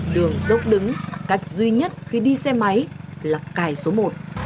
đường dốc đứng cách duy nhất khi đi xe máy là cài số một